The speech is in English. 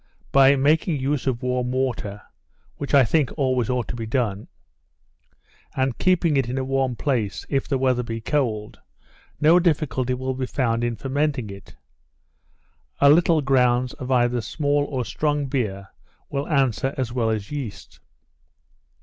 By making use of warm water, (which I think ought always to be done,) and keeping it in a warm place, if the weather be cold, no difficulty will be found in fermenting it. A little grounds of either small or strong beer, will answer as well as yeast.